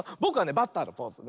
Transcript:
バッターのポーズ。